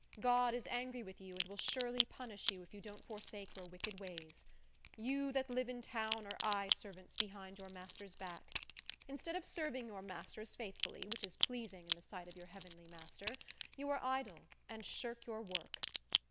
God is angry with you, and will surely punish you, if you don't forsake your wicked ways. You that live in town are eyeservants behind your master's back. Instead of serving your masters faithfully, which is pleasing in the sight of your heavenly Master, you are idle, and shirk your work.